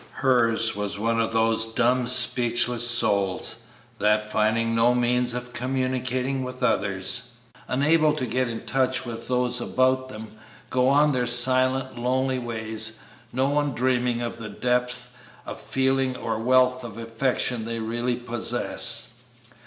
Hers was one of those dumb speechless souls, that, finding no means of communicating with others, unable to get in touch with those about them, go on their silent, lonely ways, no one dreaming of the depth of feeling or wealth of affection they really possess.